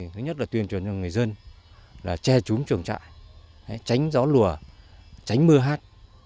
thứ nhất là tuyên truyền cho người dân là che trúng chuồng trại tránh gió lùa tránh mưa hát